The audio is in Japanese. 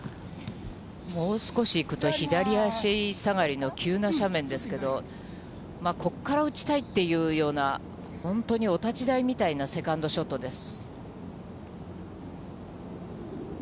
もう少し行くと、左足下がりの急な斜面ですけど、ここから打ちたいというような本当にお立ち台みたいなセカンドショットです。